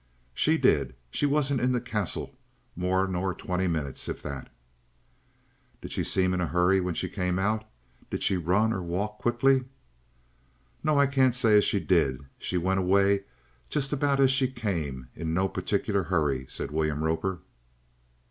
"She did. She wasn't in the Castle more nor twenty minutes if that." "Did she seem to be in a hurry when she came out? Did she run, or walk quickly?" "No. I can't say as she did. She went away just about as she came in no purtic'ler 'urry," said William Roper.